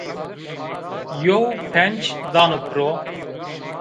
Yew penc dano piro